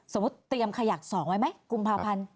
สมมุติเตรียมขยักสองไว้ไหมกุมภาพันธ์